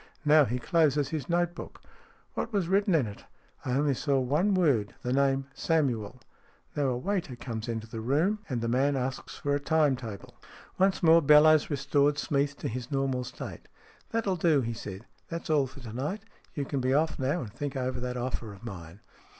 Now he closes his note book." " What was written in it ?"" I only saw one word the name ' Samuel '.... Now a waiter comes into the room, and the man asks for a time table." 12 STORIES IN GREY Once more Bellowes restored Smeath to his normal state. " That'll do," he said. " That's all for to night. You can be off now, and think over that offer of mine."